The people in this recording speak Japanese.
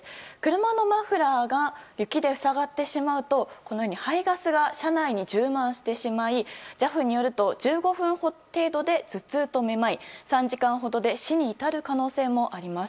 車のマフラーが雪で塞がってしまうと排ガスが車内に充満してしまいＪＡＦによると１５分程度で頭痛とめまい３時間ほどで死に至る可能性もあります。